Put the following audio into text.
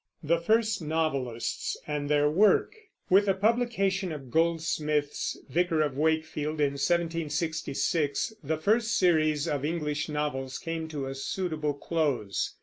THE FIRST NOVELISTS AND THEIR WORK. With the publication of Goldsmith's Vicar of Wakefield in 1766 the first series of English novels came to a suitable close.